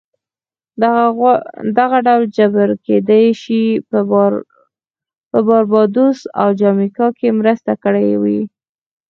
دغه ډول جبر کېدای شي په باربادوس او جامیکا کې مرسته کړې وي